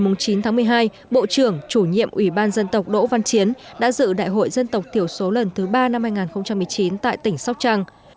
ngày chín tháng một mươi hai bộ trưởng chủ nhiệm ủy ban dân tộc đỗ văn chiến đã dự đại hội dân tộc thiểu số lần thứ ba năm hai nghìn một mươi chín tại tỉnh sóc trăng